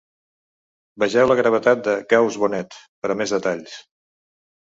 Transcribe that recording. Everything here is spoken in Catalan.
Vegeu la gravetat de Gauss-Bonnet per a més detalls.